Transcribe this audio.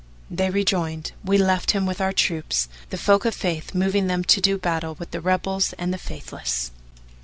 They rejoined, "We left him with our troops, the folk of the Faith, moving them to do battle with the rebels and the Faithless."